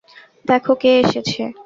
দেখো, কে এসেছে।